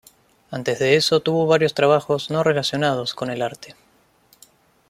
Antes de eso tuvo varios trabajos no relacionados con el arte.